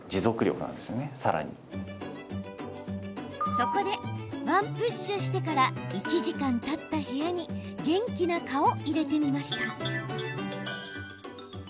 そこで、ワンプッシュしてから１時間たった部屋に元気な蚊を入れてみました。